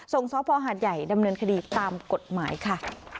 สพหาดใหญ่ดำเนินคดีตามกฎหมายค่ะ